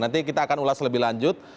nanti kita akan ulas lebih lanjut